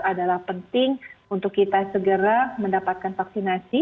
adalah penting untuk kita segera mendapatkan vaksinasi